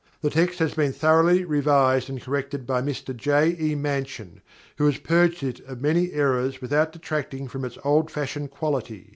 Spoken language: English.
The text has been thoroughly revised and corrected by Mr J. E. Mansion, who has purged it of many errors without detracting from its old fashioned quality.